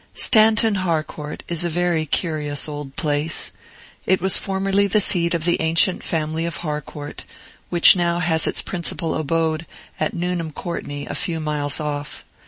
Stanton Harcourt is a very curious old place. It was formerly the seat of the ancient family of Harcourt, which now has its principal abode at Nuneham Courtney, a few miles off.